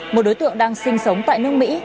một đối tượng đang sinh sống tại nước mỹ